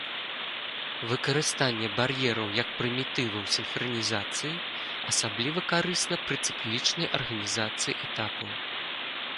Выкарыстанне бар'ераў як прымітываў сінхранізацыі асабліва карысна пры цыклічнай арганізацыі этапаў.